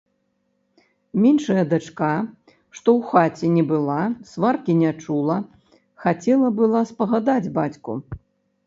Меншая дачка, што ў хаце не была, сваркі не чула, хацела была спагадаць бацьку.